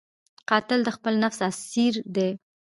قاتل د خپل نفس اسیر دی